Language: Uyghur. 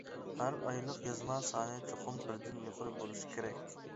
ھەر ئايلىق يازما سانى چوقۇم بىردىن يۇقىرى بولۇشى كېرەك.